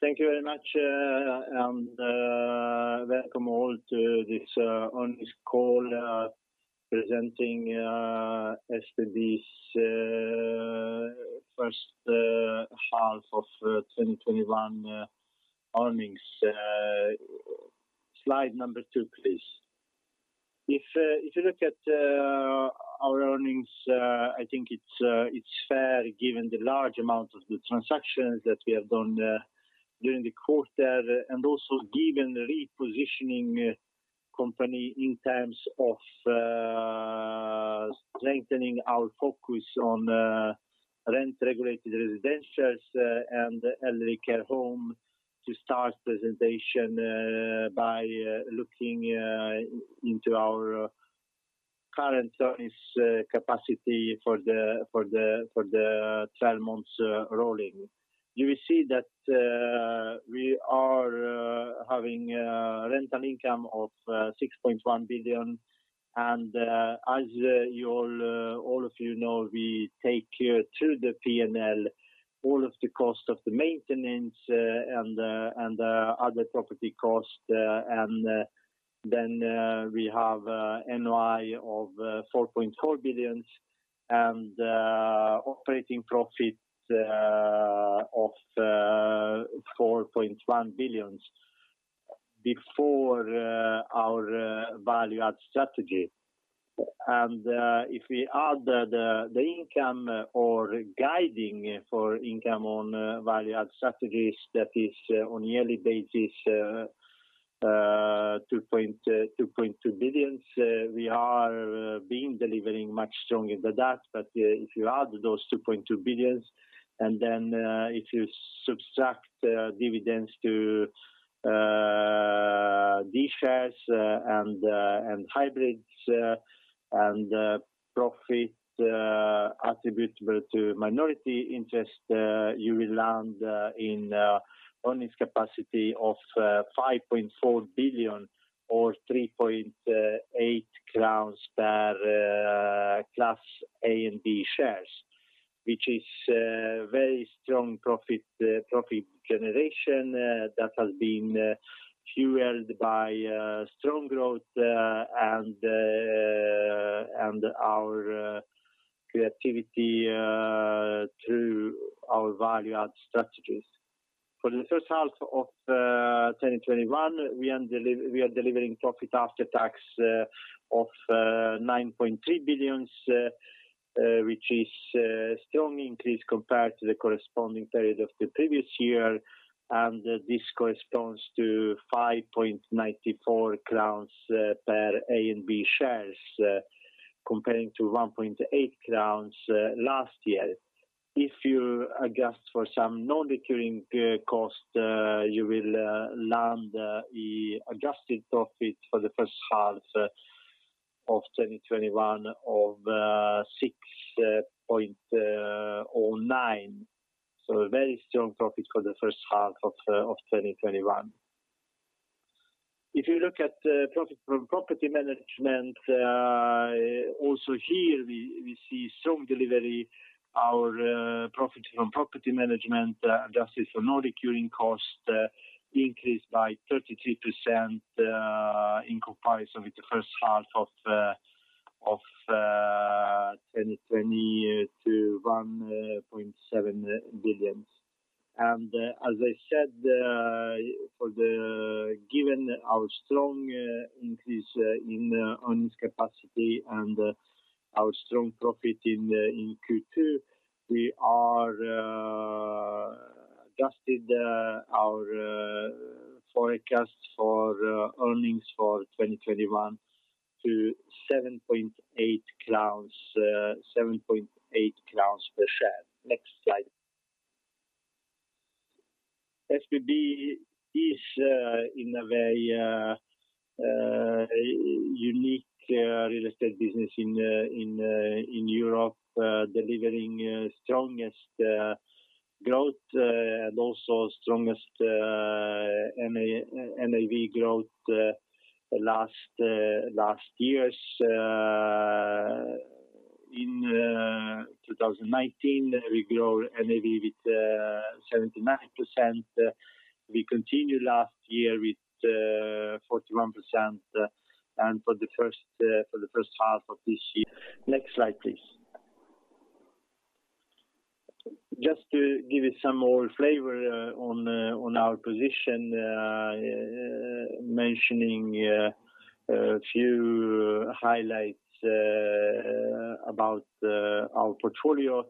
Thank you very much, and welcome all to this earnings call presenting SBB's first half of 2021 earnings. Slide number two, please. If you look at our earnings, I think it's fair, given the large amount of the transactions that we have done during the quarter, and also given repositioning company in terms of strengthening our focus on rent-regulated residentials and elderly care home, to start presentation by looking into our current earnings capacity for the 12 months rolling. You will see that we are having rental income of 6.1 billion. As all of you know, we take care to the P&L all of the cost of the maintenance and the other property cost. We have NOI of 4.4 billion and operating profit of 4.1 billion before our value add strategy. If we add the income or guiding for income on value add strategies, that is on yearly basis 2.2 billion. We are being delivering much stronger than that, but if you add those 2.2 billions, and then if you subtract dividends to these shares and hybrids and profit attributable to minority interest, you will land in earnings capacity of 5.4 billion or 3.8 crowns per Class A and B shares, which is very strong profit generation that has been fueled by strong growth and our creativity through our value add strategies. For the first half of 2021, we are delivering profit after tax of 9.3 billion, which is a strong increase compared to the corresponding period of the previous year. This corresponds to 5.94 crowns per A and B shares, comparing to 1.8 crowns last year. If you adjust for some non-recurring cost, you will land the adjusted profit for the first half of 2021 of 6.09. A very strong profit for the first half of 2021. If you look at profit from property management, also here, we see strong delivery. Our profit from property management adjusted for non-recurring cost increased by 33% in comparison with the first half of 2020 to 1.7 billion. As I said, given our strong increase in earnings capacity and our strong profit in Q2, we adjusted our forecast for earnings for 2021 to 7.8 crowns per share. Next slide. SBB is in a very unique real estate business in Europe, delivering strongest growth, and also strongest NAV growth last years. In 2019, we grow NAV with 79%. We continued last year with 41% and for the first half of this year. Next slide, please. Just to give you some more flavor on our position, mentioning a few highlights about our portfolio.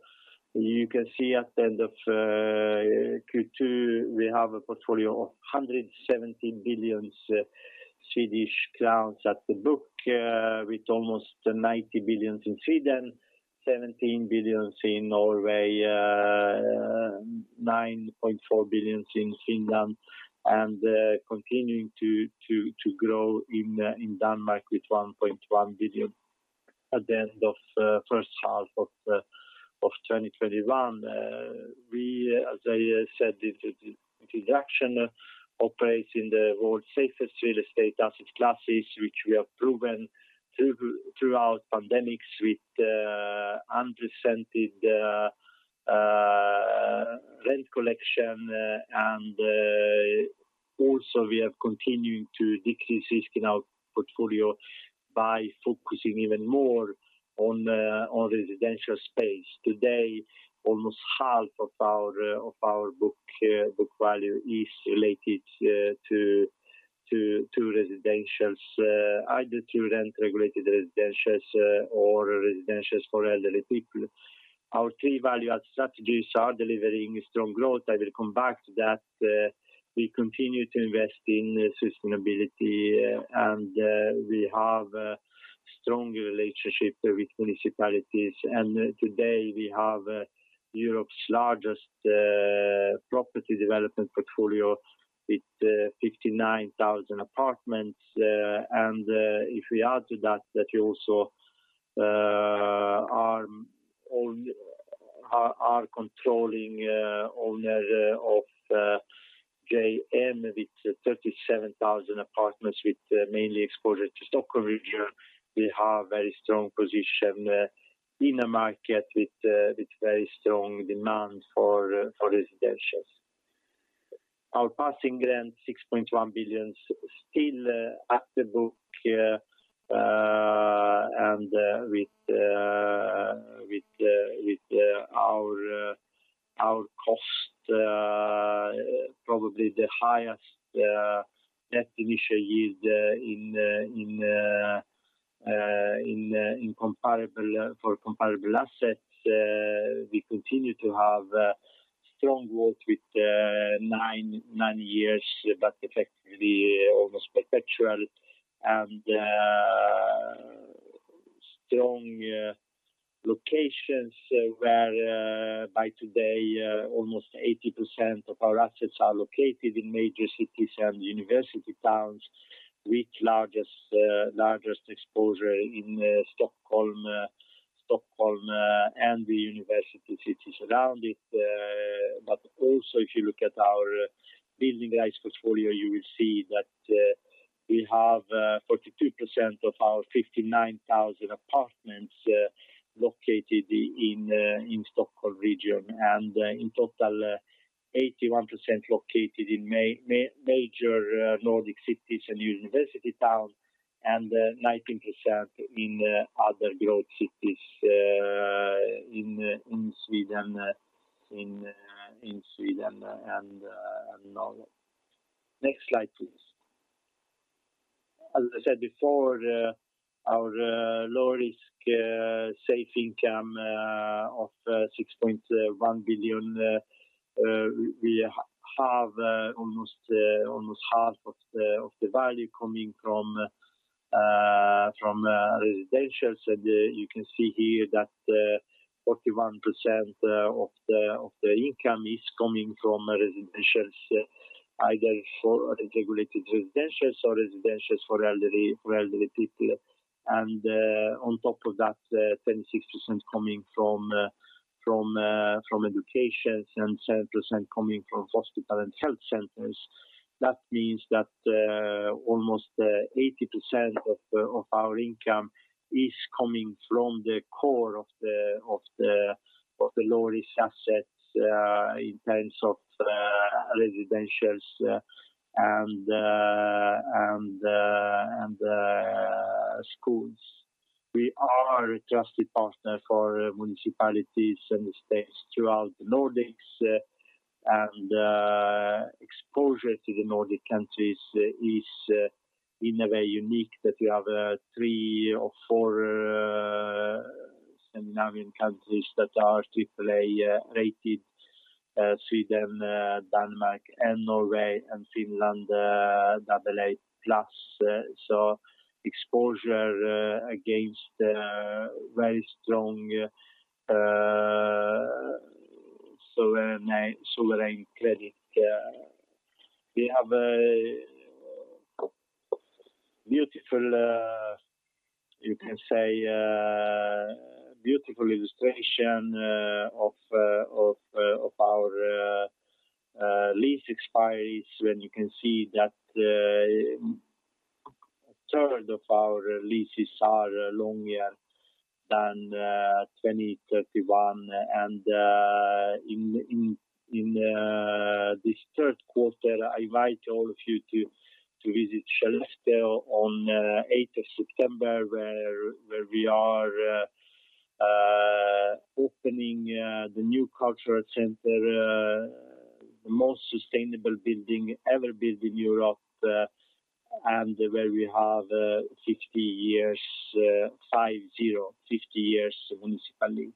You can see at the end of Q2, we have a portfolio of 117 billion Swedish crowns at the book, with almost 90 billion in Sweden, 17 billion in Norway, 9.4 billion in Finland, and continuing to grow in Denmark with 1.1 billion at the end of first half of 2021. We, as I said in the introduction, operates in the world's safest real estate asset classes, which we have proven throughout pandemic with unprecedented rent collection. Also we are continuing to decrease risk in our portfolio by focusing even more on residential space. Today, almost half of our book value is related to residentials, either to rent-regulated residentials or residentials for elderly people. Our key value-add strategies are delivering strong growth. I will come back to that. We continue to invest in sustainability, we have strong relationships with municipalities. Today we have Europe's largest property development portfolio with 59,000 apartments. If we add to that we also are controlling owner of JM with 37,000 apartments with mainly exposure to Stockholm region. We have very strong position in a market with very strong demand for residentials. Our passing rent 6.1 billion still at the book, and with our cost probably the highest net initial yield for comparable assets. We continue to have strong growth with nine years, but effectively almost perpetual and strong locations where by today almost 80% of our assets are located in major cities and university towns with largest exposure in Stockholm and the university cities around it. Also if you look at our building rights portfolio, you will see that we have 42% of our 59,000 apartments located in Stockholm region and in total 81% located in major Nordic cities and university towns and 19% in other growth cities in Sweden and Norway. Next slide, please. As I said before, our low-risk safe income of 6.1 billion, we have almost half of the value coming from residentials. You can see here that 41% of the income is coming from residentials, either for regulated residentials or residentials for elderly people. On top of that, 26% coming from education and 7% coming from hospital and health centers. That means that almost 80% of our income is coming from the core of the low-risk assets in terms of residentials and schools. We are a trusted partner for municipalities and states throughout the Nordics. Exposure to the Nordic countries is in a way unique that we have three or four Scandinavian countries that are AAA rated Sweden, Denmark, and Norway and Finland AA+. Exposure against very strong sovereign credit. We have a beautiful illustration of our lease expires when you can see that a third of our leases are longer than 2031. In this third quarter, I invite all of you to visit Skellefteå on 8th of September where we are opening the new cultural center, the most sustainable building ever built in Europe, and where we have 50 years municipal lease.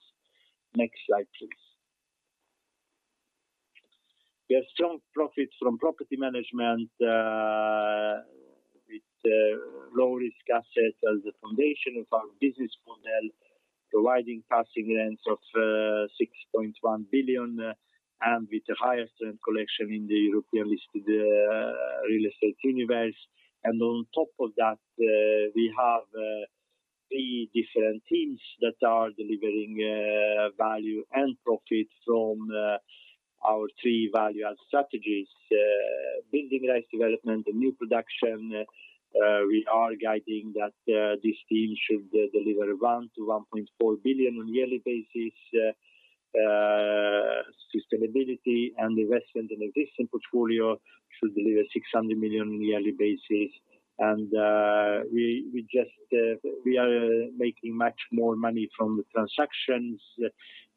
Next slide, please. We have strong profits from property management with low-risk assets as the foundation of our business model, providing passing rents of 6.1 billion and with the highest rent collection in the European listed real estate universe. On top of that, we have three different teams that are delivering value and profit from our three value-add strategies. Building rights development and new production. We are guiding that this team should deliver 1 billion-1.4 billion on yearly basis. Sustainability and investment in existing portfolio should deliver 600 million on yearly basis. We are making much more money from the transactions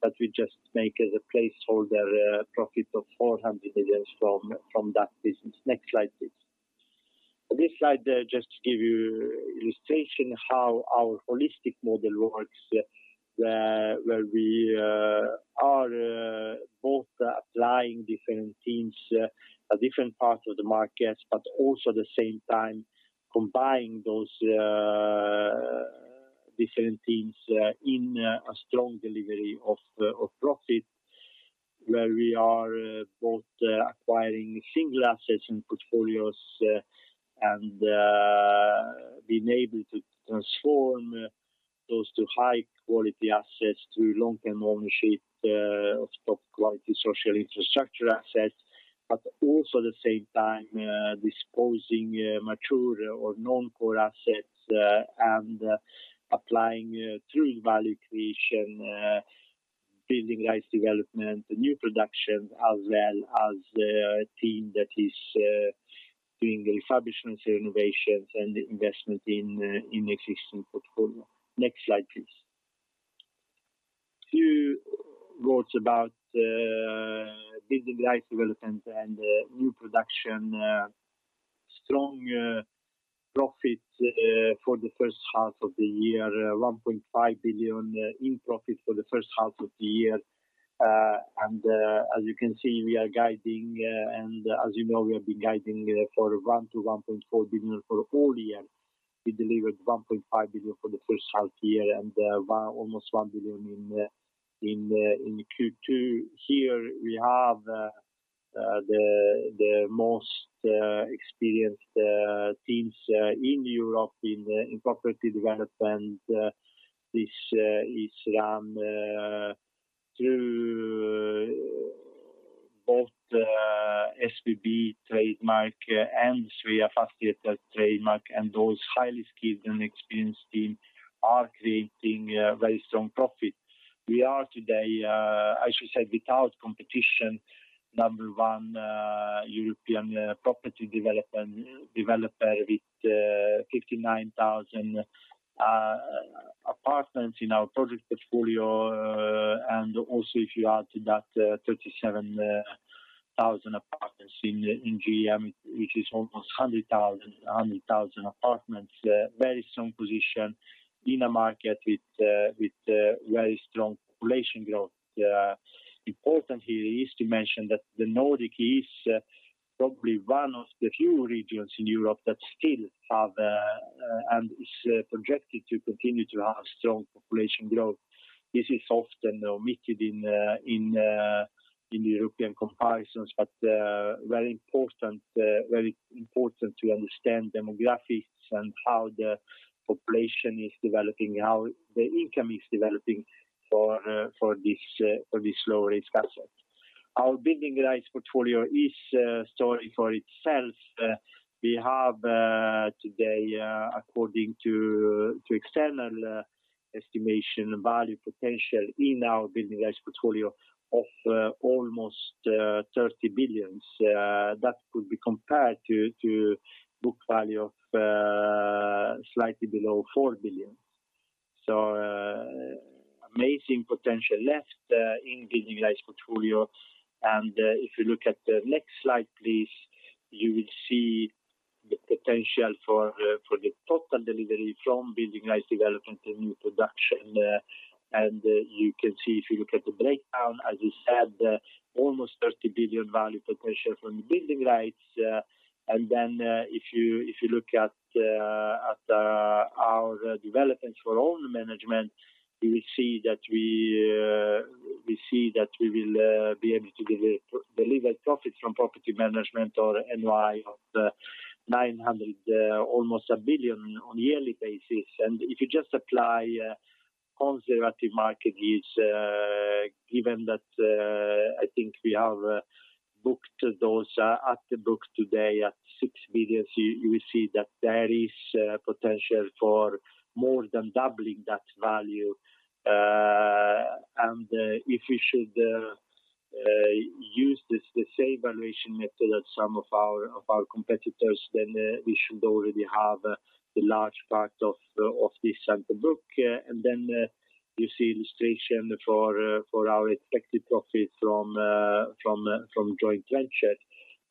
that we just make as a placeholder profit of 400 million from that business. Next slide, please. This slide just give you illustration how our holistic model works, where we are both applying different teams at different parts of the markets, but also at the same time combining those different teams in a strong delivery of profit. Where we are both acquiring single assets and portfolios and being able to transform those to high-quality assets through long-term ownership of top-quality social infrastructure assets, but also at the same time disposing mature or non-core assets and applying true value creation, building rights development, new production, as well as a team that is doing refurbishments, renovations, and investment in existing portfolio. Next slide, please. A few words about building rights development and new production. Strong profit for the first half of the year, 1.5 billion in profit for the first half of the year. As you can see, we are guiding, and as you know, we have been guiding for 1 billion-1.4 billion for all year. We delivered 1.5 billion for the first half year and almost 1 billion in Q2. Here we have the most experienced teams in Europe in property development. This is run through both SBB trademark and Sveafastigheter trademark, and those highly skilled and experienced team are creating very strong profits. We are today, I should say, without competition, number one European property developer with 59,000 apartments in our project portfolio. Also, if you add to that 37,000 apartments in JM, which is almost 100,000 apartments. Very strong position in a market with very strong population growth. Important here is to mention that the Nordic is probably one of the few regions in Europe that still have and is projected to continue to have strong population growth. This is often omitted in European comparisons, but very important to understand demographics and how the population is developing, how the income is developing for these low-risk assets. Our building rights portfolio is a story for itself. We have today according to external estimation, value potential in our building rights portfolio of almost 30 billion. That could be compared to book value of slightly below 4 billion. Amazing potential left in building rights portfolio. If you look at the next slide, please, you will see the potential for the total delivery from building rights development and new production. You can see if you look at the breakdown, as we said, almost 30 billion value potential from the building rights. If you look at our developments for own management, we see that we will be able to deliver profits from property management or NOI of 900 million, almost 1 billion on a yearly basis. If you just apply conservative market yields, given that I think we have booked those at the book today at 6 billion, you will see that there is potential for more than doubling that value. If we should use the same valuation method as some of our competitors, then we should already have the large part of this on the book. You see illustration for our expected profit from joint ventures.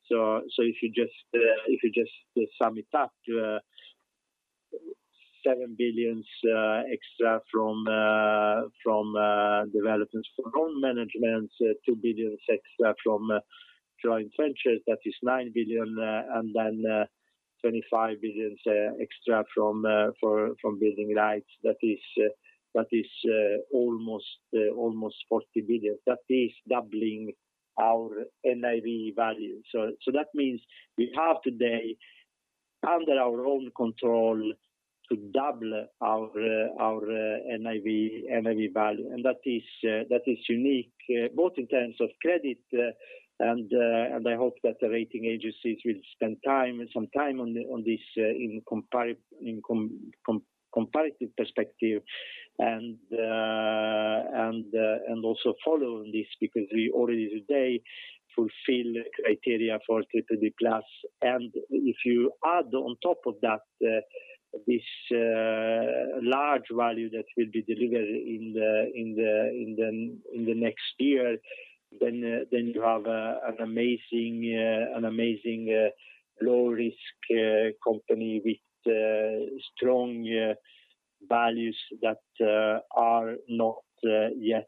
If you just sum it up, 7 billion extra from developments for own management, 2 billion extra from joint ventures, that is 9 billion, and then 25 billion extra from building rights. That is almost 40 billion. That is doubling our NAV value. That means we have today under our own control to double our NAV value. That is unique both in terms of credit and I hope that the rating agencies will spend some time on this in comparative perspective and also follow on this because we already today fulfill criteria for BBB class. if you add on top of that, this large value that will be delivered in the next year, then you have an amazing low-risk company with strong values that are not yet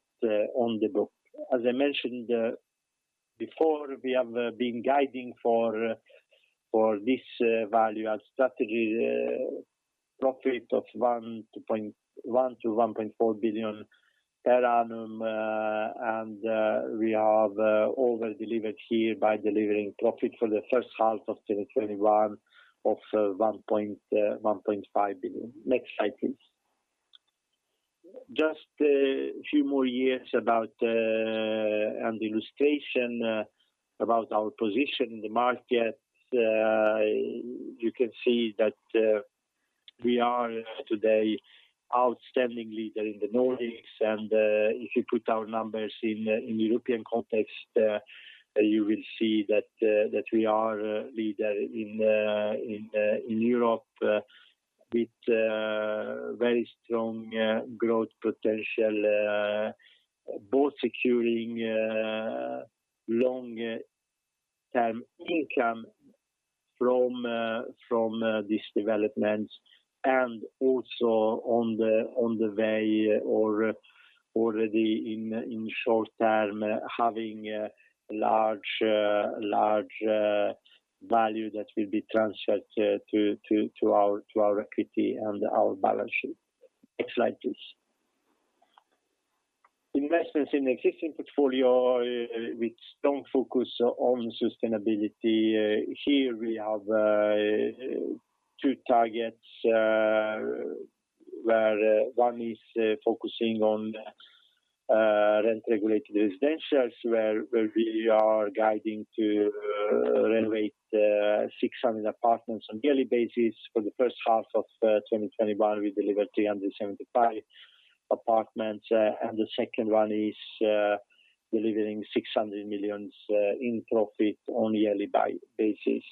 on the book. As I mentioned before, we have been guiding for this value add strategy profit of 1 billion-1.4 billion per annum, and we have over-delivered here by delivering profit for the first half of 2021 of 1.5 billion. Next slide, please. Just a few more words about an illustration about our position in the market. You can see that we are today outstanding leader in the Nordics. If you put our numbers in European context, you will see that we are a leader in Europe with very strong growth potential, both securing long-term income from these developments and also on the way or already in short term, having large value that will be transferred to our equity and our balance sheet. Next slide, please. Investments in existing portfolio with strong focus on sustainability. Here we have two targets, where one is focusing on rent-regulated residentials, where we are guiding to renovate 600 apartments on yearly basis. For the first half of 2021, we delivered 375 apartments. The second one is delivering 600 million in profit on yearly basis.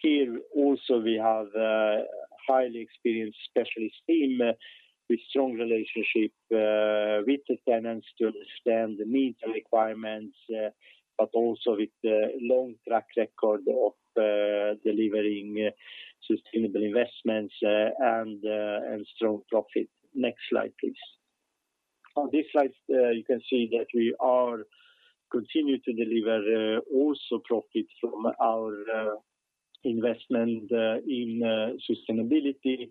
Here also, we have a highly experienced specialist team with strong relationship with the tenants to understand the needs and requirements, but also with long track record of delivering sustainable investments and strong profit. Next slide, please. On this slide, you can see that we are continuing to deliver also profit from our investment in sustainability.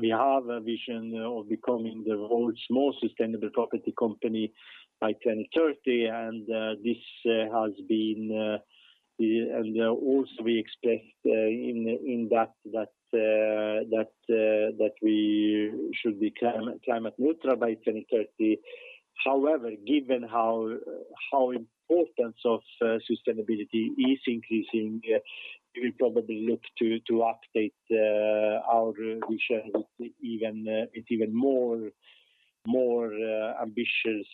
We have a vision of becoming the world's most sustainable property company by 2030. We expect we should be climate neutral by 2030. However, given how important sustainability is increasing, we will probably look to update our vision with even more ambitious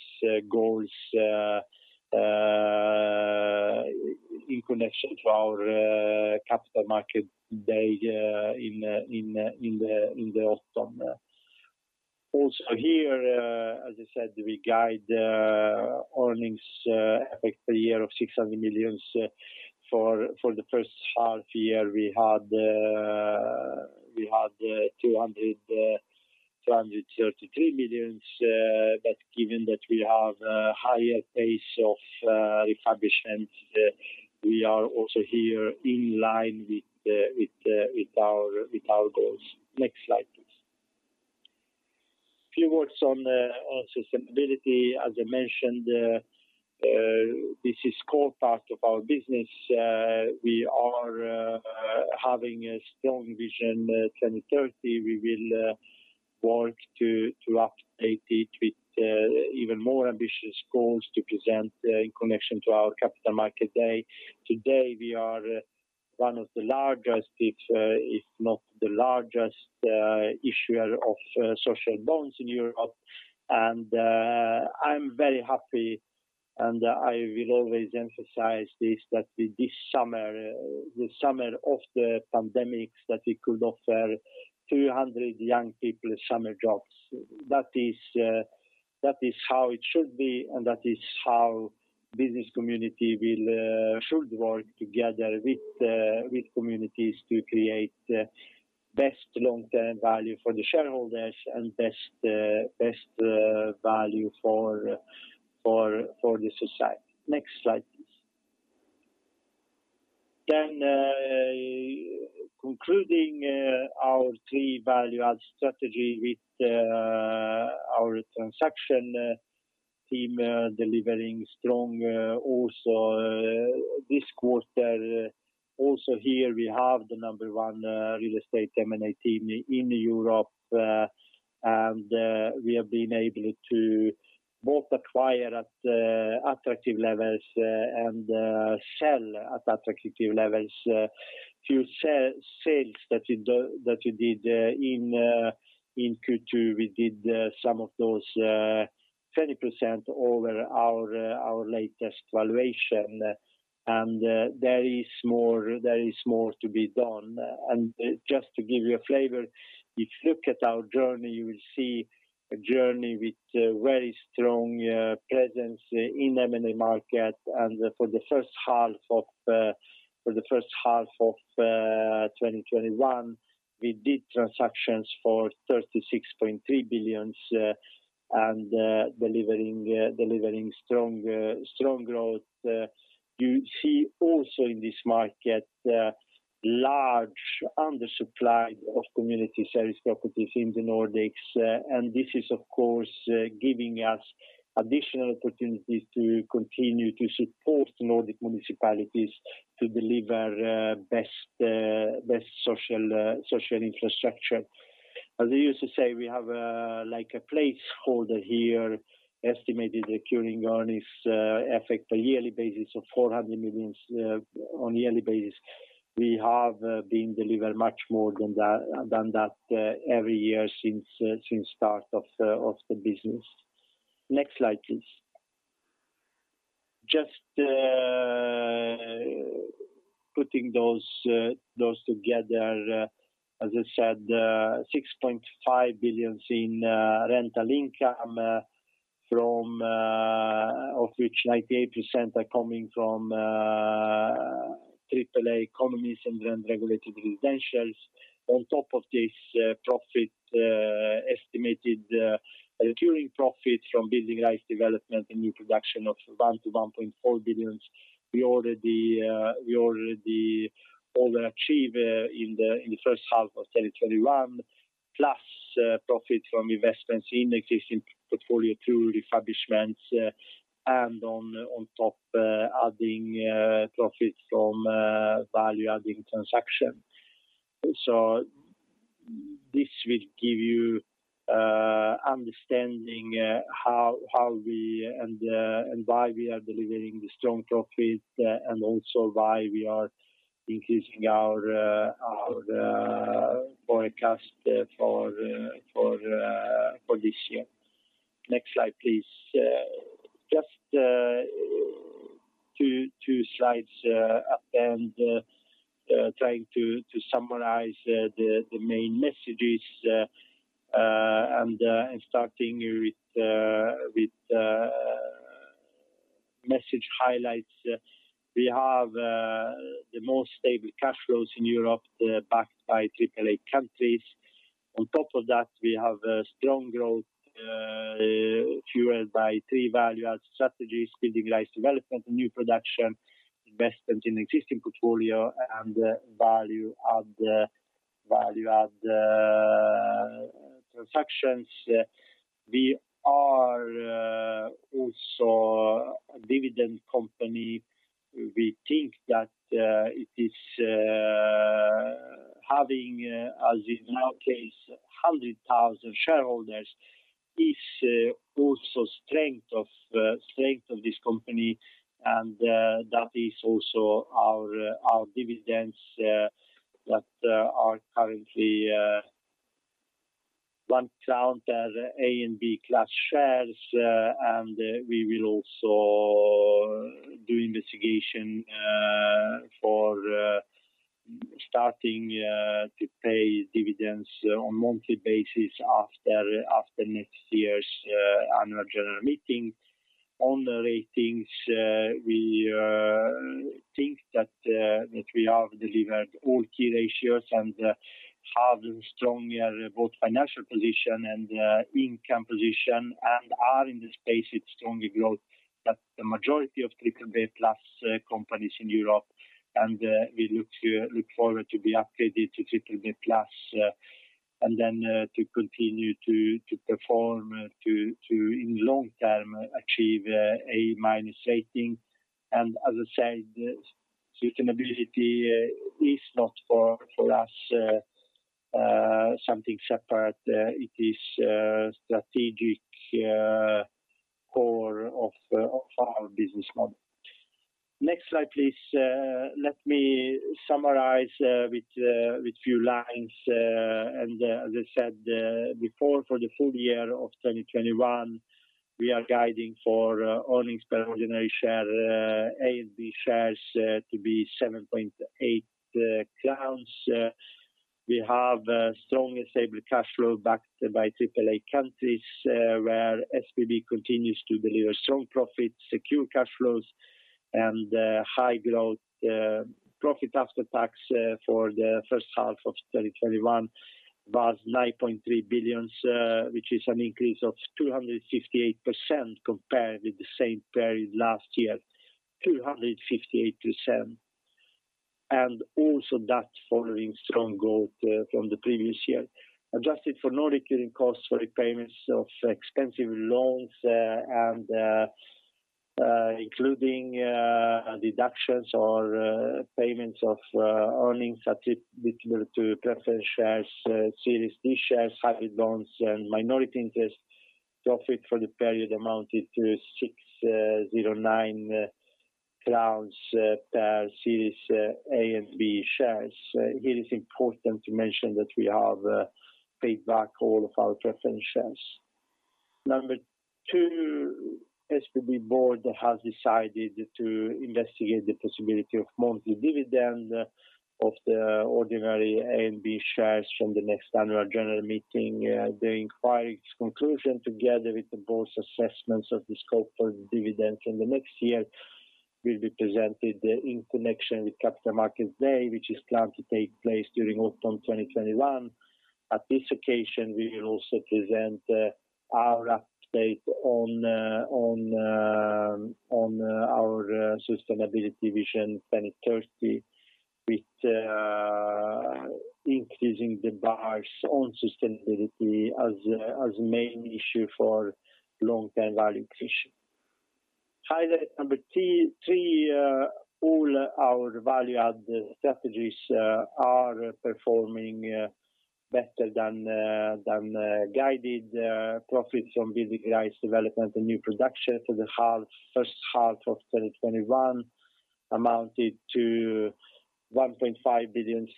goals in connection to our Capital Markets Day in the autumn. Here as I said, we guide earnings effect per year of 600 million. For the first half-year, we had 233 million. Given that we have a higher pace of refurbishments, we are also here in line with our goals. Next slide, please. A few words on sustainability. As I mentioned, this is core part of our business. We are having a strong vision 2030. We will work to update it with even more ambitious goals to present in connection to our Capital Markets Day. Today, we are one of the largest, if not the largest issuer of social bonds in Europe. I'm very happy, and I will always emphasize this, that this summer, the summer of the pandemic, that we could offer 300 young people summer jobs. That is how it should be. That is how business community should work together with communities to create best long-term value for the shareholders and best value for the society. Next slide, please. Including our three value-add strategy with our transaction team delivering strong also this quarter. Also here we have the number one real estate M&A team in Europe. We have been able to both acquire at attractive levels and sell at attractive levels. Few sales that we did in Q2, we did some of those 20% over our latest valuation. There is more to be done. Just to give you a flavor, if you look at our journey, you will see a journey with very strong presence in M&A market. For the first half of 2021, we did transactions for 36.3 billion and delivering strong growth. You see also in this market large undersupply of community service properties in the Nordics. This is of course giving us additional opportunities to continue to support Nordic municipalities to deliver best social infrastructure. As I used to say, we have a placeholder here, estimated recurring earnings effect per yearly basis of 400 million on yearly basis. We have been delivering much more than that every year since start of the business. Next slide, please. Just putting those together. As I said, 6.5 billion in rental income, of which 98% are coming from AAA economies and rent-regulated residentials. On top of this profit, estimated recurring profit from building rights development and new production of 1 billion-1.4 billion. We already overachieve in the first half of 2021. Plus profit from investments in existing portfolio through refurbishments and on top adding profits from value-adding transaction. This will give you understanding how we and why we are delivering the strong profit and also why we are increasing our forecast for this year. Next slide, please. Just two slides and trying to summarize the main messages, and starting with message highlights. We have the most stable cash flows in Europe, backed by AAA countries. On top of that, we have a strong growth fueled by three value add strategies, building rights development and new production, investment in existing portfolio and value add transactions. We are also a dividend company. We think that it is having, as in our case, 100,000 shareholders is also strength of this company, and that is also our dividends that are currently 1,000 A and B class shares. We will also do investigation for starting to pay dividends on monthly basis after next year's annual general meeting. On the ratings we think that we have delivered all key ratios and have a stronger both financial position and income position and are in the space with stronger growth that the majority of BBB+ companies in Europe. We look forward to be updated to BBB+ and then to continue to perform to, in long term, achieve A- rating. As I said, sustainability is not for us something separate. It is strategic core of our business model. Next slide, please. Let me summarize with few lines. As I said before, for the full year of 2021, we are guiding for earnings per ordinary share A and B shares to be 7.8 crowns. We have strong and stable cash flow backed by AAA countries, where SBB continues to deliver strong profits, secure cash flows, and high growth. Profit after tax for the first half of 2021 was 9.3 billion which is an increase of 258% compared with the same period last year, 258%, and also that following strong growth from the previous year. Adjusted for non-recurring costs for repayments of expensive loans and including deductions or payments of earnings attributable to preference shares, Series D shares, hybrid loans, and minority interest, profit for the period amounted to 6.09 crowns per Series A and B shares. It is important to mention that we have paid back all of our preference shares. Number two, SBB board has decided to investigate the possibility of monthly dividend of the ordinary Series A and B shares from the next annual general meeting. The inquiry's conclusion, together with the board's assessments of the scope for dividends in the next year, will be presented in connection with Capital Market Day, which is planned to take place during autumn 2021. At this occasion, we will also present our update on our sustainability vision 2030, with increasing the bars on sustainability as the main issue for long-term value creation. Highlight number three, all our value-add strategies are performing better than guided. Profit from building rights, development, and new production for the first half of 2021 amounted to 1.5 billion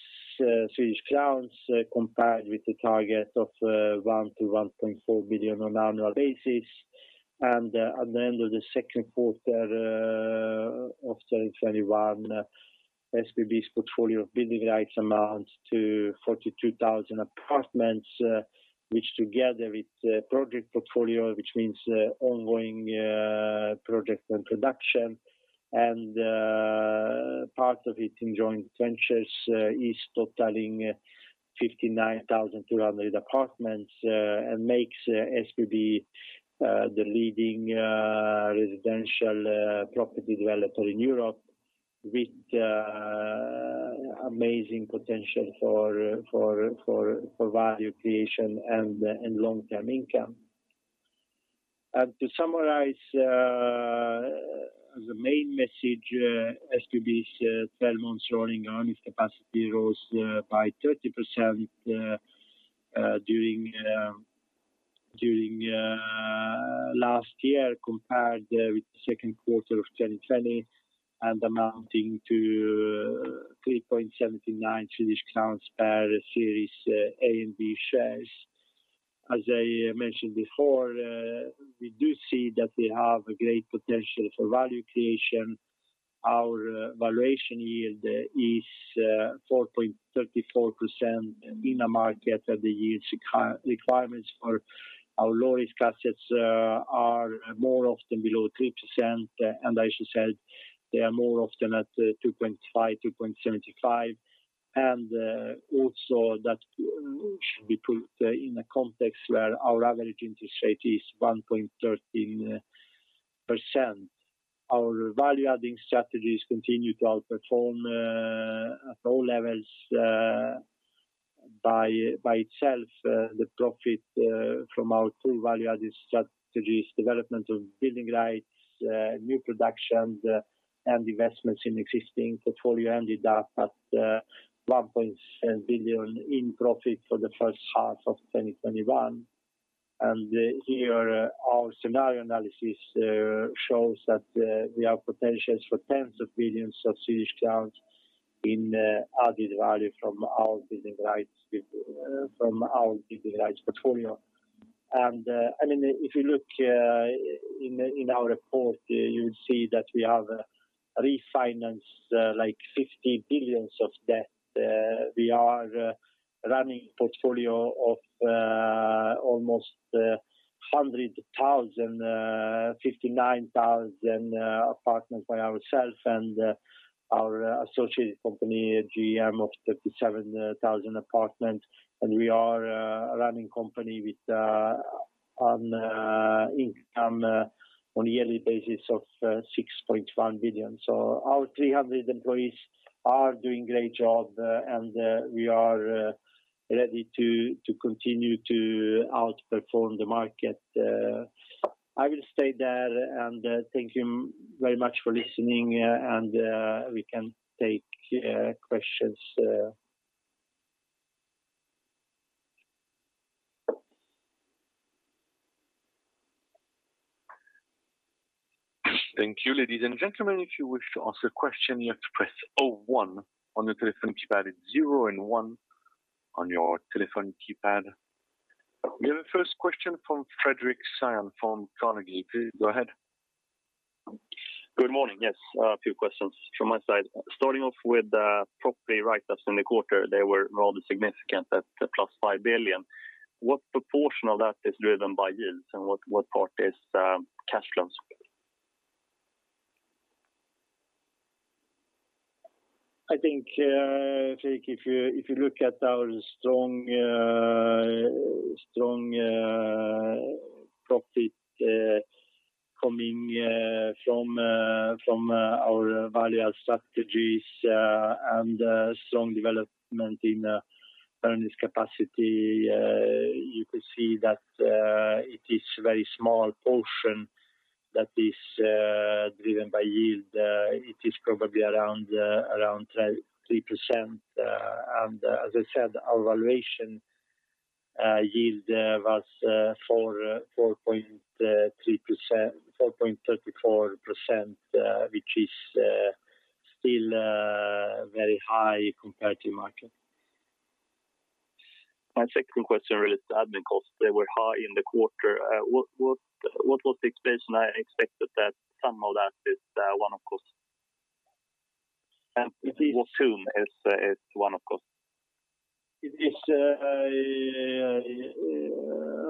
crowns, compared with the target of 1 billion-1.4 billion on annual basis. At the end of the second quarter of 2021, SBB's portfolio of building rights amounts to 42,000 apartments, which together with project portfolio, which means ongoing projects and production, and part of it in joint ventures is totaling 59,200 apartments, and makes SBB the leading residential property developer in Europe with amazing potential for value creation and long-term income. To summarize the main message, SBB's 12-month rolling earnings capacity rose by 30% during last year compared with the second quarter of 2020 and amounting to 3.79 crowns per Series A and B shares. As I mentioned before, we do see that we have great potential for value creation. Our valuation yield is 4.34% in a market that yields requirements for our lowest assets are more often below 3%. As you said, they are more often at 2.5%, 2.75%. That should be put in a context where our average interest rate is 1.13%. Our value-adding strategies continue to outperform at all levels. By itself, the profit from our full value-add strategies, development of building rights, new production, and investments in existing portfolio ended up at 1.7 billion in profit for the first half of 2021. Here, our scenario analysis shows that we have potential for tens of billions of Swedish [crowns] in added value from our building rights portfolio. If you look in our report, you'll see that we have refinanced 50 billion of debt. We are running a portfolio of almost 100,000 apartments, 59,000 apartments by ourselves and our associated company, JM, of 37,000 apartments. We are a running company with an income on a yearly basis of 6.1 billion. Our 300 employees are doing a great job, and we are ready to continue to outperform the market. I will stay there, and thank you very much for listening, and we can take questions. Thank you, ladies and gentlemen. If you wish to ask a question, you have to press O one on your telephone keypad, zero and one on your telephone keypad. We have the first question from Fredrik Cyon from Carnegie. Go ahead. Good morning. Yes, a few questions from my side. Starting off with the property rights last quarter, they were rather significant at the +5 billion. What proportion of that is driven by yields, and what part is cash flows? I think, Fredrik, if you look at our strong profit coming from our value-add strategies and strong development in earnings capacity you can see that it is very small portion that is driven by yield. It is probably around 3%. As I said, our valuation yield was 4.34%, which is still very high compared to market. My second question relates to admin costs. They were high in the quarter. What was the explanation? I expect that some of that is one-off cost. We assume it's one-off cost. A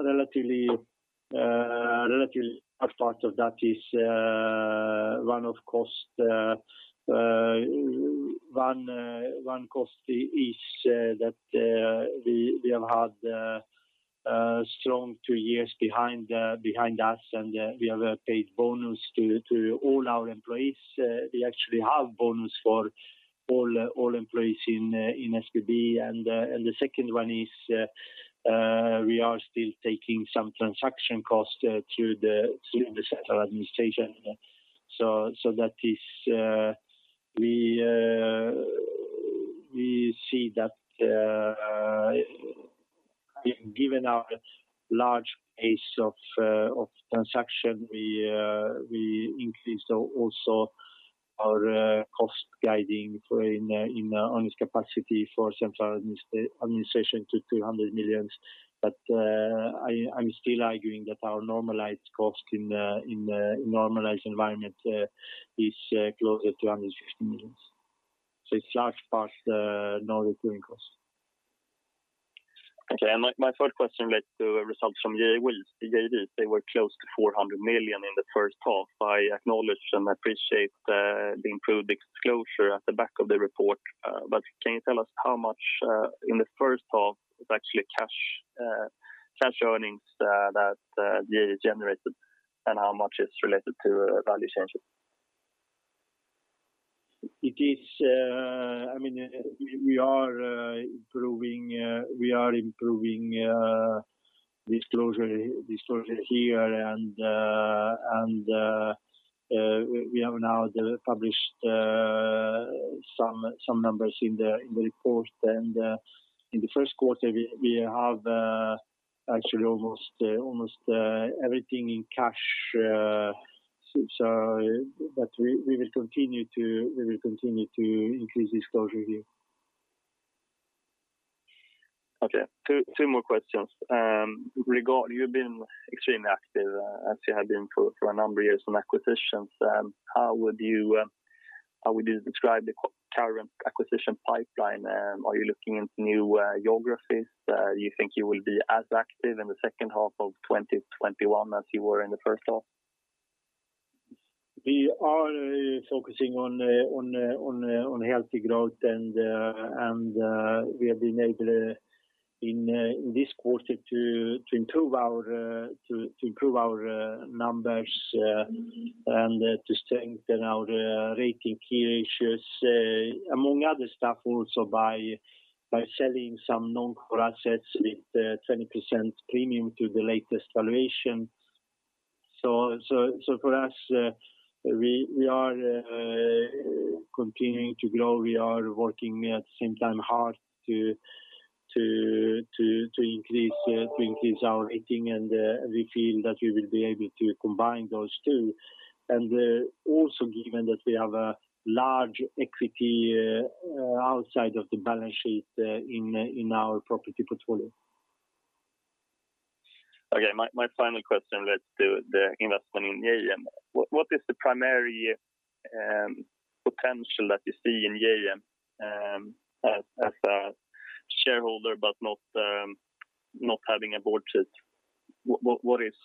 relatively large part of that is one-off cost. One cost is that we have had a strong two years behind us, and we have paid bonus to all our employees. We actually have bonus for all employees in SBB. The second one is we are still taking some transaction costs to the central administration. We see that given our large pace of transaction, we increase also our cost guiding in earnings capacity for central administration to 200 million. I'm still arguing that our cost in a normalized environment is closer to [160 million]. It's large part non-recurring costs. Okay. My third question relates to results from JVs. They were close to 400 million in the first half. I acknowledge and appreciate the improved disclosure at the back of the report, but can you tell us how much in the first half is actually cash earnings that JV generated, and how much is related to value changes? We are improving disclosure here and we have now published some numbers in the report. In the first quarter, we have actually almost everything in cash. We will continue to increase disclosure here. Okay. Two more questions. Ilija, you've been extremely active as you have been for a number of years on acquisitions. How would you describe the current acquisition pipeline? Are you looking into new geographies? Do you think you will be as active in the second half of 2021 as you were in the first half? We are focusing on healthy growth, and we have been able in this quarter to improve our numbers and to strengthen our rating key ratios among other stuff also by selling some non-core assets with 20% premium to the latest valuation. For us, we are continuing to grow. We are working at the same time hard to increase our rating, and we feel that we will be able to combine those two. Also, given that we have a large equity outside of the balance sheet in our property portfolio. Okay. My final question relates to the investment in JM. What is the primary potential that you see in JM as a shareholder but not having a board seat? What is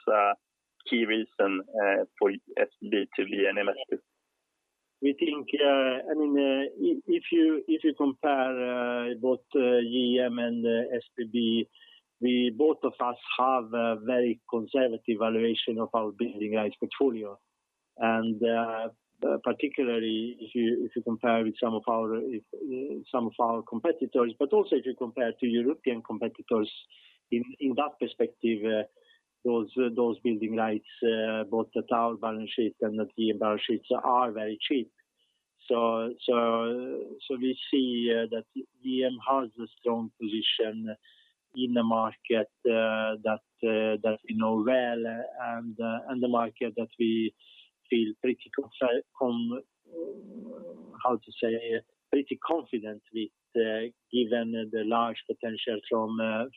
key reason for SBB to be an investor? If you compare both JM and SBB, both of us have a very conservative valuation of our building rights portfolio. Particularly if you compare with some of our competitors, but also if you compare to European competitors in that perspective those building rights both at our balance sheet and at JM balance sheets are very cheap. We see that JM has a strong position in the market that we know well and the market that we feel pretty confident with, given the large potential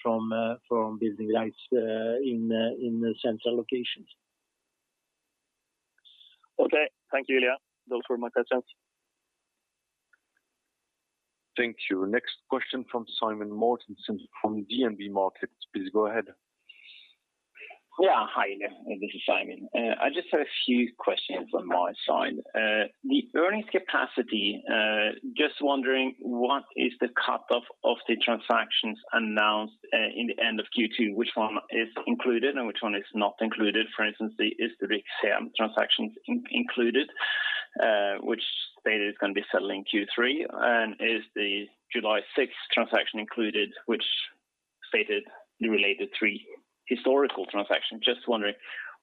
from building rights in central locations. Okay. Thank you, Ilija. Those were my questions. Thank you. Next question from Simen Mortensen from DNB Markets. Please go ahead. Yeah. Hi, this is Simen. I just have a few questions on my side. The earnings capacity, just wondering what is the cutoff of the transactions announced in the end of Q2? Which one is included and which one is not included? For instance, is the Rikshem transactions included which stated it's going to be settling Q3? is the July 6th transaction included, which stated the related three historical transactions? Just wondering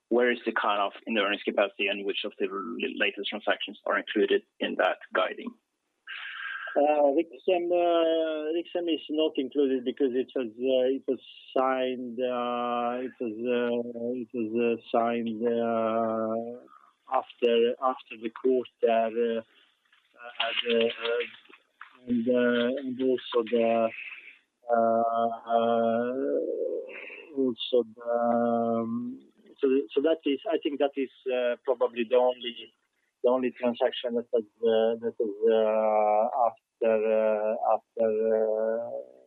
where is the cutoff in the earnings capacity and which of the latest transactions are included in that guiding? Rikshem is not included because it was signed after the quarter. I think that is probably the only transaction that is after. [inaudible]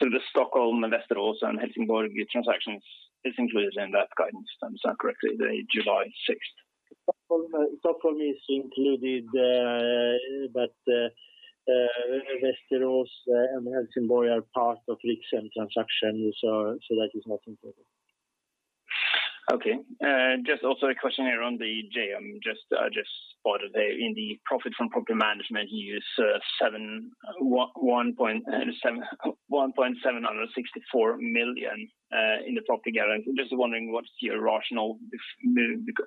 The Stockholm, Västerås and Helsingborg transactions is included in that guidance, if I understand correctly, the July 6th? Stockholm is included, but Västerås and Helsingborg are part of Rikshem transaction, so that is not included. Okay. Just also a question here on the JM. Just spotted there in the profit from property management, you serve 1.764 million in the profit guidance. Just wondering what's your rationale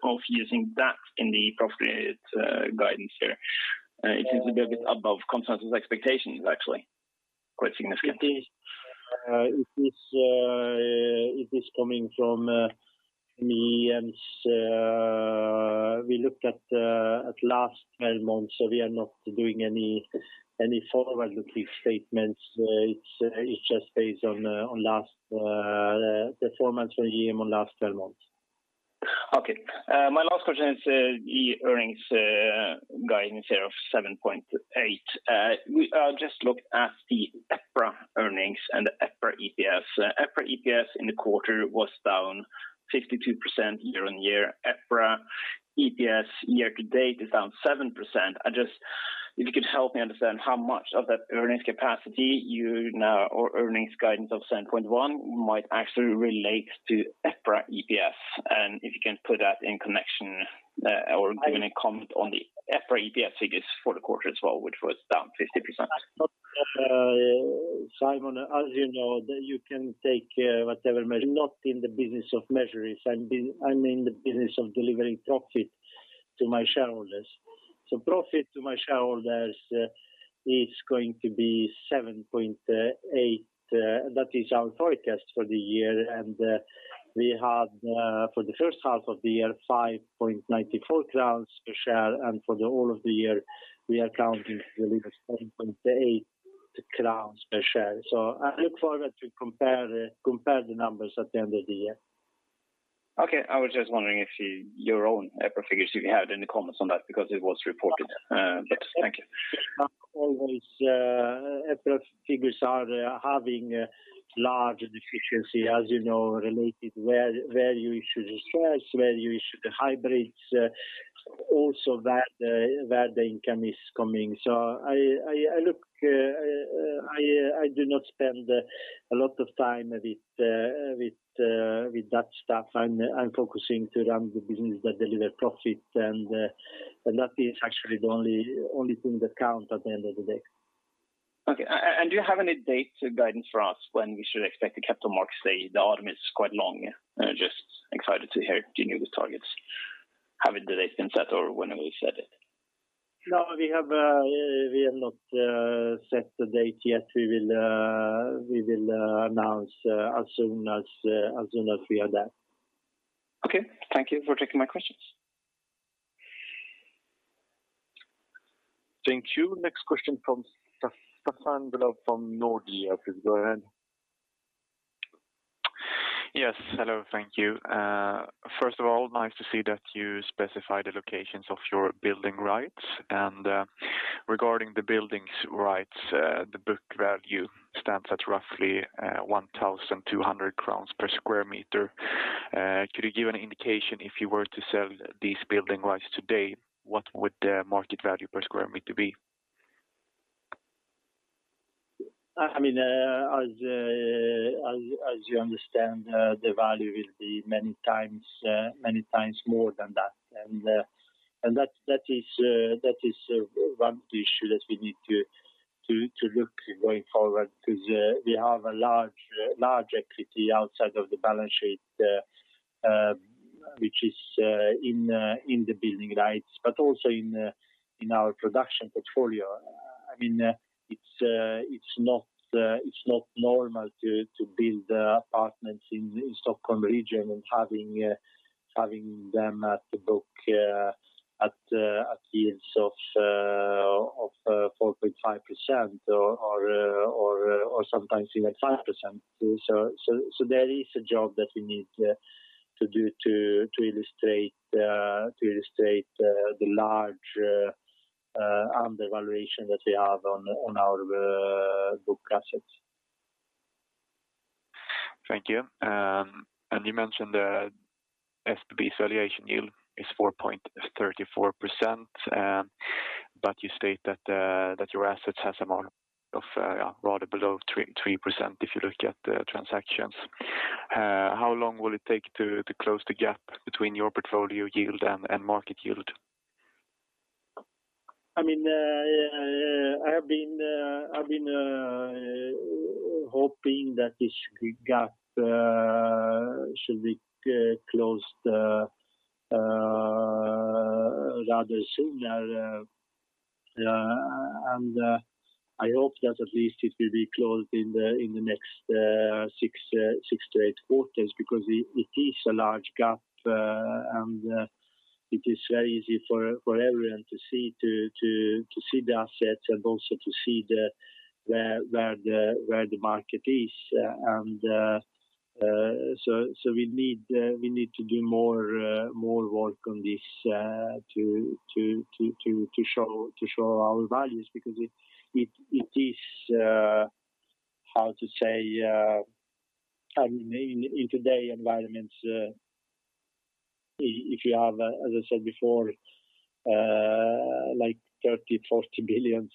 of using that in the profit guidance here? It is a bit above consensus expectations, actually. Quite significant. It is coming from me, and we looked at last 12 months, so we are not doing any forward-looking statements. It's just based on the performance from JM on last 12 months. Okay. My last question is the earnings guidance there of 7.8. I just looked at the EPRA earnings and the EPRA EPS. EPRA EPS in the quarter was down 52% year-on-year. EPRA EPS year-to-date is down 7%. If you could help me understand how much of that earnings capacity or earnings guidance of 7.1 might actually relate to EPRA EPS, and if you can put that in connection or give any comment on the EPRA EPS figures for the quarter as well, which was down 50%. Simen, as you know, you can take whatever measure. I'm not in the business of measures. I'm in the business of delivering profit to my shareholders. Profit to my shareholders is going to be 7.8. That is our forecast for the year. We had for the first half of the year 5.94 crowns per share, and for the whole of the year, we are counting we deliver 7.8 crowns per share. I look forward to compare the numbers at the end of the year. Okay. I was just wondering if your own EPRA figures, if you had any comments on that because it was reported. Thank you. Always, EPRA figures are having large deficiency, as you know, related where you issue the shares, where you issue the hybrids, also where the income is coming. I do not spend a lot of time with that stuff. I'm focusing to run the business that delivers profit, and that is actually the only thing that counts at the end of the day. Okay. Do you have any date guidance for us when we should expect the Capital Markets Day? The item is quite long. I'm just excited to hear your new targets. Has the date been set or when will you set it? No, we have not set the date yet. We will announce as soon as we have that. Okay. Thank you for taking my questions. Thank you. Next question from Staffan Bülow from Nordea. Please go ahead. Yes, hello, thank you. First of all, nice to see that you specify the locations of your building rights. Regarding the building rights, the book value stands at roughly 1,200 crowns per square meter. Could you give an indication, if you were to sell these building rights today, what would the market value per square meter be? As you understand, the value will be many times more than that. That is one issue that we need to look going forward because we have a large equity outside of the balance sheet, which is in the building rights, but also in our production portfolio. It's not normal to build apartments in Stockholm region and having them at the book at yields of 4.5% or sometimes even 5%. There is a job that we need to do to illustrate the large and the valuation that we have on our book assets. Thank you. You mentioned SBB's valuation yield is 4.34%, but you state that your assets has amount of rather below 3% if you look at the transactions. How long will it take to close the gap between your portfolio yield and market yield? I have been hoping that this gap should be closed rather sooner. I hope that at least it will be closed in the next six-eight quarters because it is a large gap, and it is very easy for everyone to see the assets and also to see where the market is. We need to do more work on this to show our values because it is, how to say, in today's environments, if you have, as I said before, 30 billion, 40 billion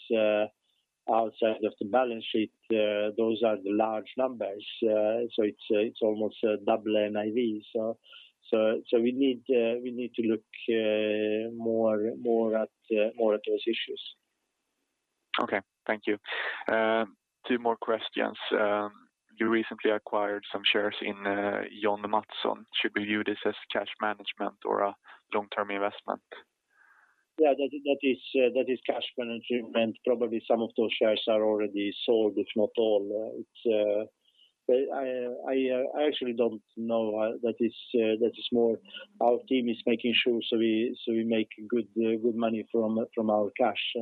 outside of the balance sheet, those are the large numbers. It's almost double NAV. We need to look more at those issues. Okay. Thank you. Two more questions. You recently acquired some shares in John Mattson. Should we view this as cash management or a long-term investment? Yeah, that is cash management. Probably some of those shares are already sold, if not all. I actually don't know. That is more our team is making sure so we make good money from our cash.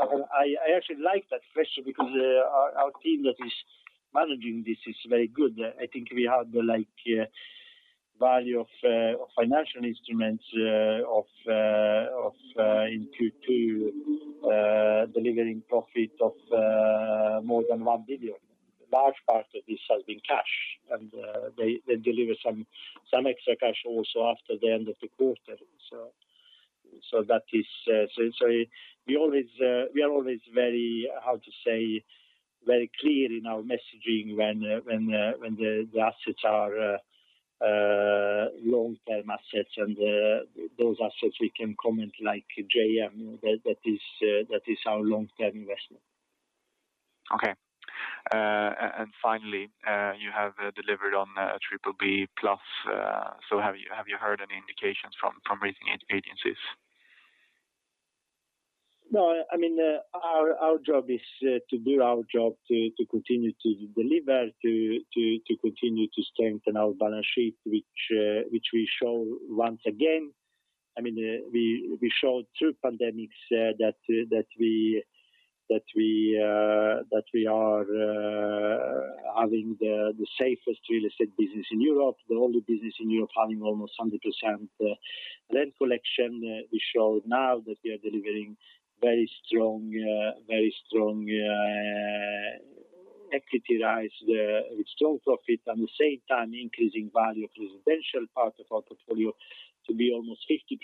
I actually like that question because our team that is managing this is very good. I think we have the value of financial instruments in Q2 delivering profit of more than 1 billion. Large part of this has been cash, and they deliver some extra cash also after the end of the quarter. We are always very, how to say, very clear in our messaging when the assets are long-term assets. Those assets we can comment like JM, that is our long-term investment. Okay. Finally, you have delivered on BBB+, so have you heard any indications from rating agencies? No, our job is to do our job to continue to deliver, to continue to strengthen our balance sheet which we show once again. We showed through pandemic that we are having the safest real estate business in Europe, the only business in Europe having almost 100% rent collection. We show now that we are delivering very strong equity rise with strong profit, at the same time increasing value of residential part of our portfolio to be almost 50%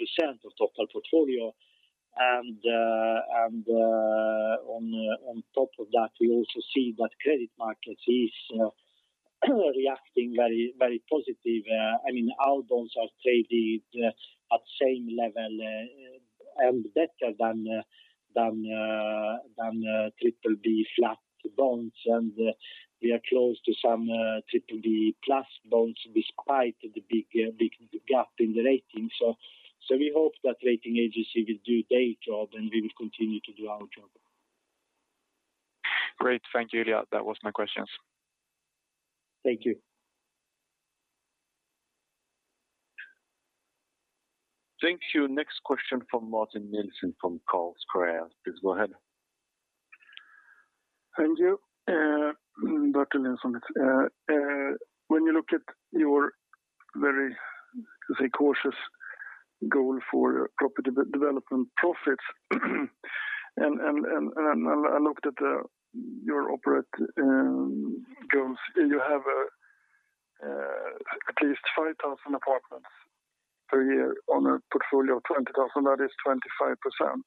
of total portfolio. On top of that, we also see that credit markets is reacting very positive. Our bonds are traded at same level and better than BBB flat bonds, and we are close to some BBB+ bonds despite the big gap in the rating. We hope that rating agency will do their job, and we will continue to do our job. Great. Thank you, Ilija. That were my questions. Thank you. Thank you. Next question from Bertil Nilsson from Carlsquare. Please go ahead. Thank you. Bertil Nilsson. When you look at your very cautious goal for property development profits and I looked at your operating goals, you have at least 5,000 apartments per year on a portfolio of 20,000. That is 25%.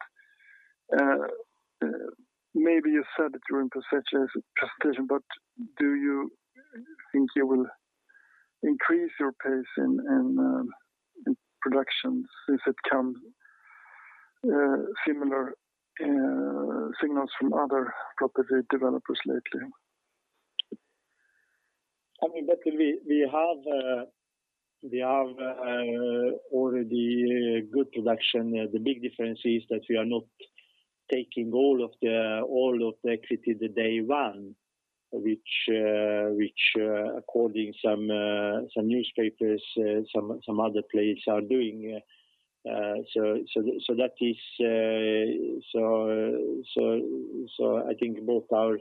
Maybe you said it during presentation, but do you think you will increase your pace in production since it comes similar signals from other property developers lately? Bertil, we have already good production. The big difference is that we are not taking all of the equity the day one which according some newspapers, some other players are doing. I think both our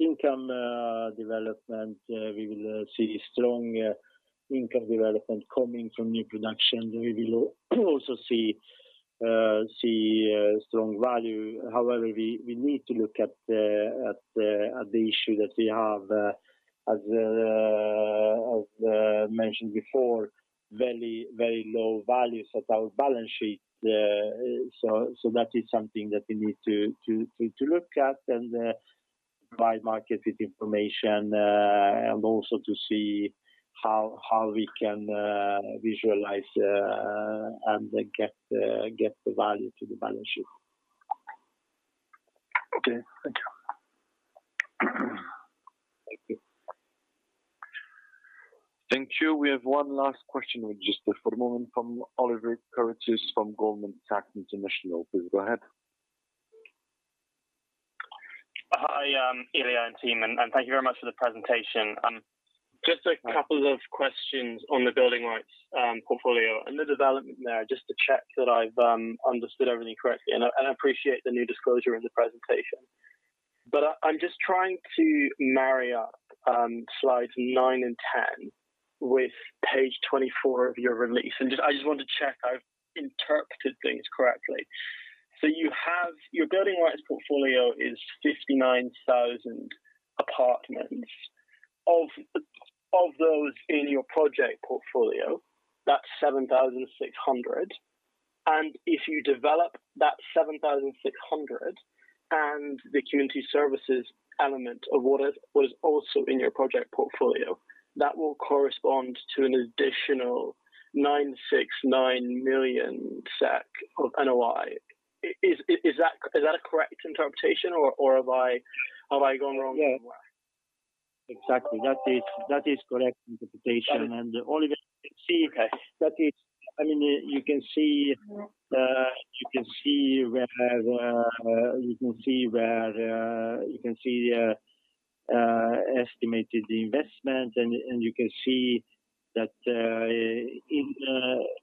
income development, we will see strong income development coming from new production. We will also see strong value. However, we need to look at the issue that we have, as mentioned before, very low values at our balance sheet. That is something that we need to look at and by market information, and also to see how we can visualize and get the value to the balance sheet. Okay. Thank you. Thank you. Thank you. We have one last question registered for the moment from Oliver Carruthers from Goldman Sachs International. Please go ahead. Hi, Ilija and team, and thank you very much for the presentation. Just a couple of questions on the building rights portfolio and the development there, just to check that I've understood everything correctly, and I appreciate the new disclosure in the presentation. I'm just trying to marry up slides nine and 10 with page 24 of your release. I just want to check I've interpreted things correctly. You have your building rights portfolio is 59,000 apartments. Of those in your project portfolio, that's 7,600. If you develop that 7,600 and the community services element of what was also in your project portfolio, that will correspond to an additional 969 million SEK of NOI. Is that a correct interpretation or am I going wrong somewhere? Exactly. That is correct interpretation. all you can see- Okay. You can see where estimated the investment and you can see that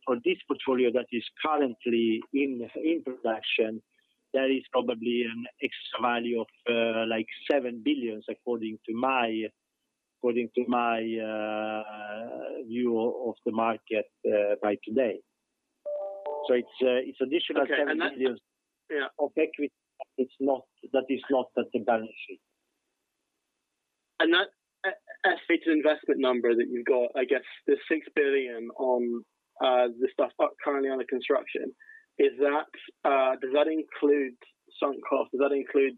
for this portfolio that is currently in production, there is probably an extra value of 7 billion according to my view of the market by today. It's additional 7 billions of equity that is not at the balance sheet. That SBB's investment number that you've got, I guess the 6 billion on the stuff currently under construction, does that include sunk cost? Does that include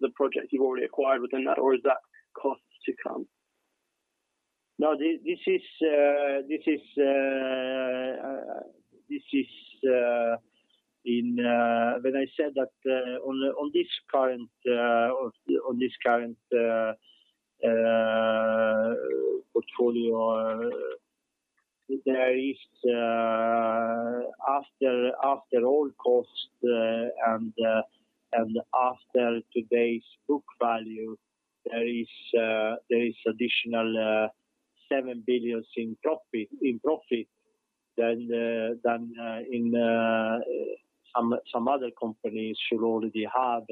the project you've already acquired within that or is that cost to come? No, when I said that on this current portfolio, there is after all cost and after today's book value, there is additional 7 billion in profit than some other companies should already have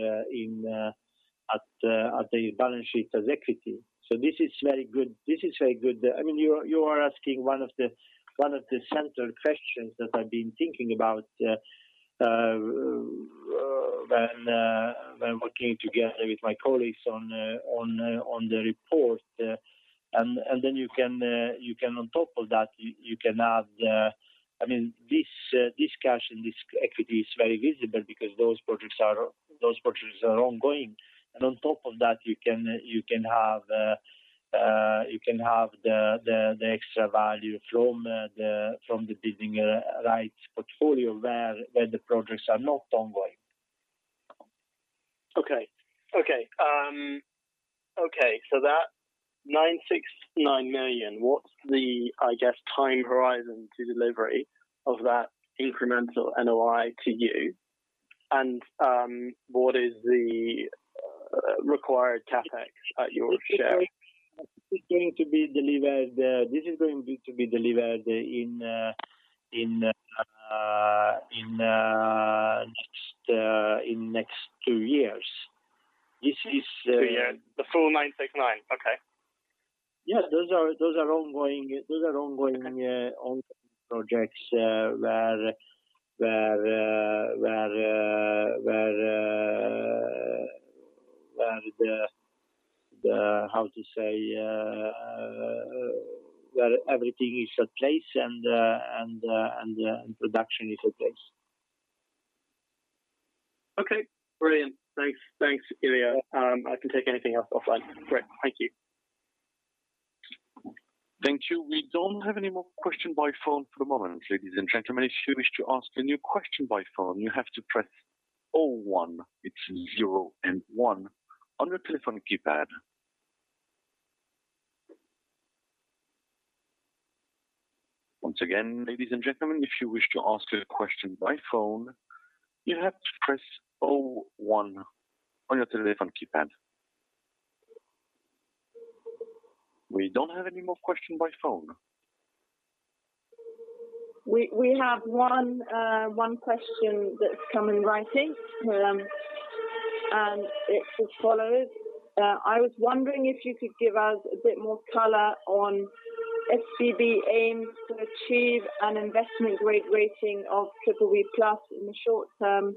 at the balance sheet as equity. This is very good. You are asking one of the central questions that I've been thinking about when working together with my colleagues on the report. You can on top of that, you can add this cash and this equity is very visible because those projects are ongoing. On top of that, you can have the extra value from the building rights portfolio where the projects are not ongoing. Okay. That 969 million, what's the, I guess, time horizon to delivery of that incremental NOI to you? What is the required CapEx at your share? This is going to be delivered in next two years. Two years? The full SEK 969 million? Okay. Yeah, those are ongoing projects where the, how to say, where everything is in place and production is in place. Okay, brilliant. Thanks, Ilija. I can take anything else offline. Great. Thank you. Thank you. We don't have any more questions by phone for the moment, ladies and gentlemen. If you wish to ask a new question by phone, you have to press O one. It's zero and one on your telephone keypad. Once again, ladies and gentlemen, if you wish to ask a question by phone, you have to press O one on your telephone keypad. We don't have any more questions by phone. We have one question that's come in writing, and it's as follows. I was wondering if you could give us a bit more color on SBB aims to achieve an investment grade rating of BBB+ in the short term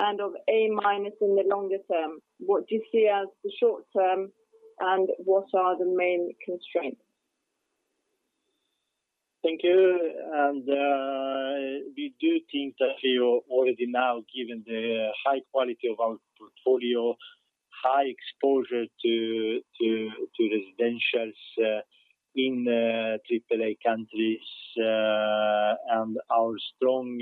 and of A- in the longer term. What do you see as the short-term, and what are the main constraints? Thank you. We do think that we already now, given the high quality of our portfolio, high exposure to residentials in AAA countries, and our strong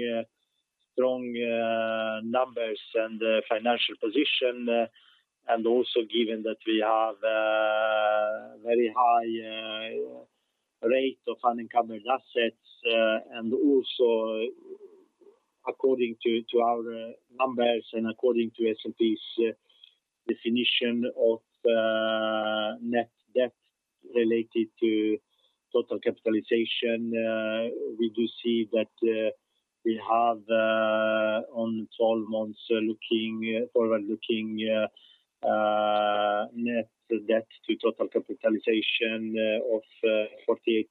numbers and financial position, and also given that we have a very high rate of incoming assets, and also according to our numbers and according to S&P's definition of net debt related to total capitalization, we do see that we have on 12 months forward-looking net debt to total capitalization of 48%.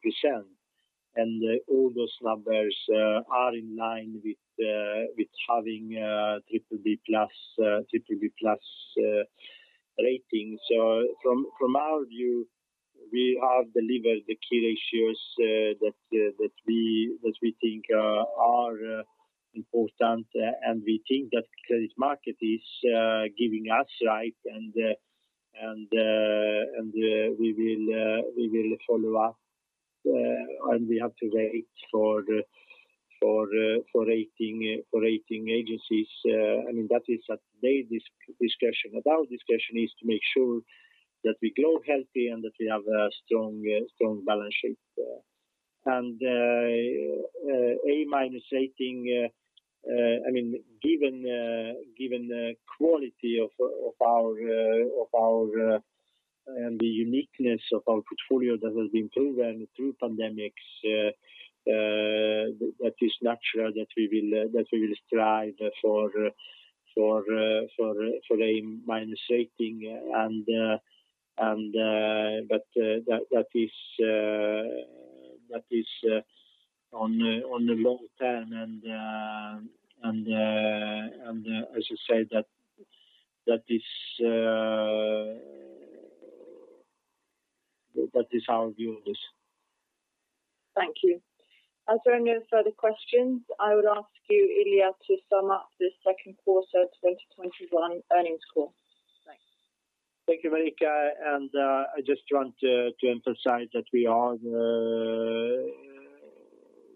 All those numbers are in line with having BBB+ rating. From our view, we have delivered the key ratios that we think are important, and we think that the credit market is giving us right, and we will follow up, and we have to wait for rating agencies. That is today's discussion about. Discussion is to make sure that we grow healthy and that we have a strong balance sheet. A- rating, given the quality of our, and the uniqueness of our portfolio that has been proven through pandemics, that is natural that we will strive for A- rating. That is in the long term, and as I say, that is our view. Thank you. As there are no further questions, I would ask you, Ilija, to sum up the second quarter 2021 earnings call. Thanks. Thank you, Marika. I just want to emphasize that we are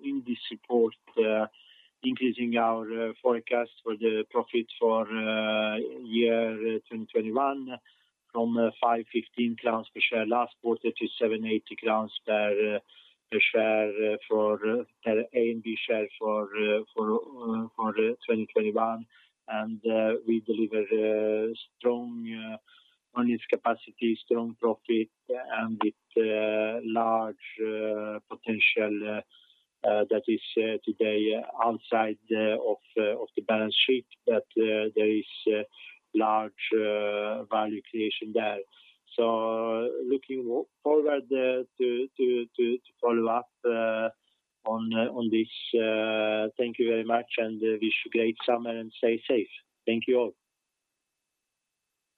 in this report increasing our forecast for the profit for year 2021 from 5.15+ crowns per share last quarter to 7.80 crowns per Series A and B share for 2021. We deliver strong earnings capacity, strong profit, and with large potential that is today outside of the balance sheet, that there is large value creation there. Looking forward to follow up on this. Thank you very much. Wish you a great summer and stay safe. Thank you all.